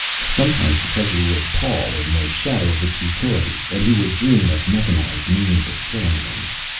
Sometimes the pleasure would pall in the shadow of its futility, and he would dream of mechanized means of killing them.